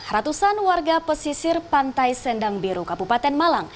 ratusan warga pesisir pantai sendang biru kabupaten malang